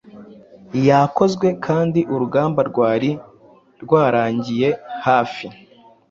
Yakozwekandi urugamba rwari rwarangiye hafi